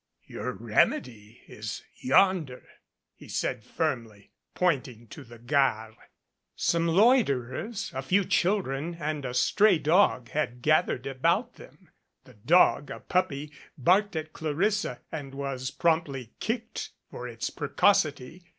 '* "Your remedy is yonder," he said firmly, pointing to the Gare. Some loiterers, a few children and a stray dog had gathered about them. The dog, a puppy, barked at Clarissa and was promptly kicked for its precocity.